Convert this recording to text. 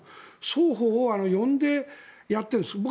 双方を呼んでやっているんです。